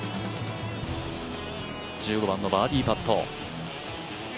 １５番のバーディーパット。